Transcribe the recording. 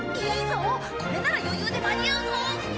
これなら余裕で間に合うぞ。